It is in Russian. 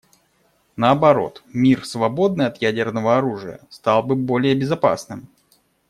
Наоборот, мир, свободный от ядерного оружия, стал бы более безопасным.